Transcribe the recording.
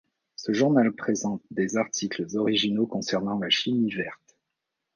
Ce journal présente des articles originaux concernant la chimie verte.